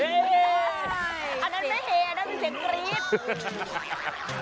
อันนั้นไม่เฮอันนั้นเป็นเสียงกรี๊ด